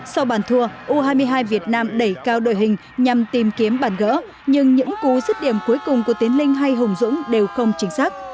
sau bàn thua u hai mươi hai việt nam đẩy cao đội hình nhằm tìm kiếm bàn gỡ nhưng những cú dứt điểm cuối cùng của tiến linh hay hùng dũng đều không chính xác